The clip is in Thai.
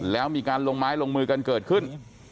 แล้วมีการลงไม้ลงมือกันเกิดขึ้น